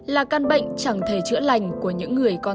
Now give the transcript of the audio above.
là căn bệnh chẳng thể chữa lành của những người con